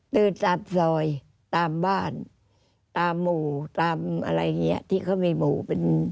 เดินตามซอยตามบ้านตามหมู่ตามอะไรอย่างนี้ที่เขามีหมู่เป็น